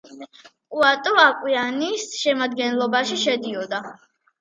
პუატუ აკვიტანიის შემადგენლობაში შედიოდა.